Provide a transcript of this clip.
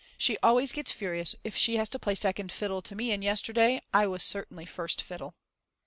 She always gets furious if she has to play second fiddle to me and yesterday I was certainly first fiddle.